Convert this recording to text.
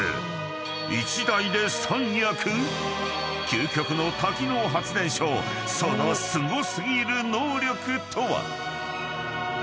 ［究極の多機能発電所そのすご過ぎる能力とは？］